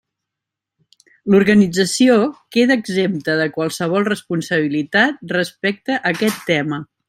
L'organització queda exempta de qualsevol responsabilitat respecte a aquest tema.